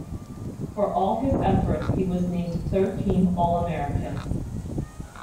For his efforts, he was named Third Team All-American.